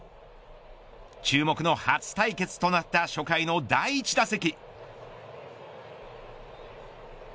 注目の初対決となった初回の第１打席。